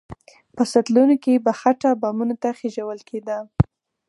په سطلونو کې به خټه بامونو ته خېژول کېده.